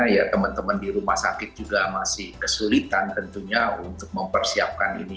ya teman teman di rumah sakit juga masih kesulitan tentunya untuk mempersiapkan ini